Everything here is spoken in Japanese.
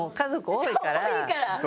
多いから。